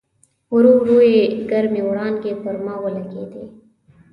ورو ورو یې ګرمې وړانګې پر ما ولګېدې.